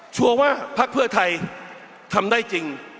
ชัวร์ว่าพักเพื่อไทยทำได้จริง